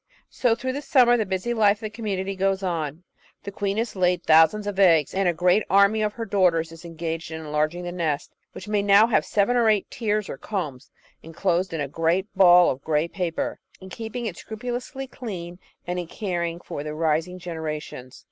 So through the summer the busy life of the commimity goes on. The queen has laid thousands of eggs, and a great army of her daughters is engaged in enlarging the nest — which may now have seven or eight tiers or combs enclosed in a great ball of grey paper — in keeping it scrupulously clean, and in caring for the rising generations.